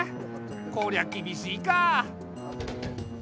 こりゃ厳しいか。